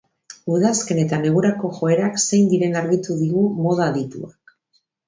Udazken eta negurako joerak zein diren argitu digu moda adituak.